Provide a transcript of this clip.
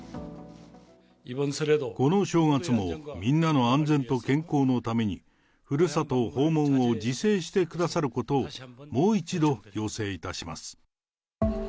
この正月も、みんなの安全と健康のために、ふるさと訪問を自制してくださることを、もう一度要請いたします。